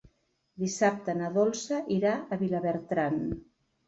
Dissabte na Dolça irà a Vilabertran.